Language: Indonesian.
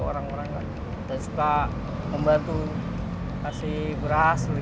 dia orang yang baik sekali dan keluarganya juga sangat baik